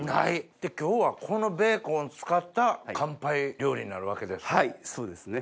で今日はこのベーコンを使った乾杯料理になるわけですね？